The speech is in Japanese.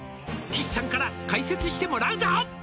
「岸さんから解説してもらうぞ」